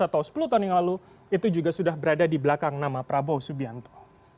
karena di sekitaran dua ribu empat belas atau sepuluh tahun yang lalu itu juga sudah berada di belakang nama prabowo subianto